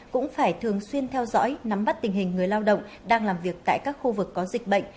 cũng phải thường xuyên theo dõi nắm bắt tình hình người lao động đang làm việc tại các khu vực có dịch bệnh